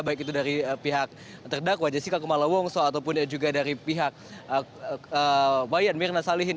baik itu dari pihak terdakwa jessica kumala wongso ataupun juga dari pihak wayan mirna salihin